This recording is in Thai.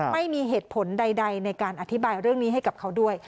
ไม่มีเหตุผลใดในการอธิบายเรื่องนี้ให้กับเขาด้วย